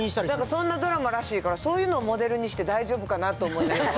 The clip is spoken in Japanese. そんなドラマっていうから、そういうのモデルにして大丈夫かなと思いながら。